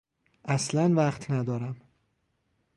اصلا وقت ندارم.